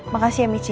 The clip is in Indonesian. makasih ya meeci